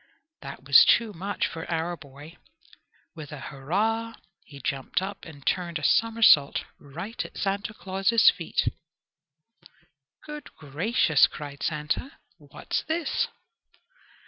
That was too much for our boy. With a "hurrah" he jumped up and turned a somersault right at Santa Claus's feet. "Good gracious!" cried Santa, "what's this?"